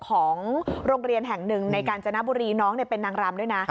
ของโรงเรียนแห่งหนึ่งในการจนบุรีน้องเป็นนางรำด้วยนะ